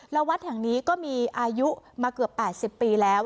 แล้ววัดแห่งนี้ก็มีอายุมาเกือบ๘๐ปีแล้ว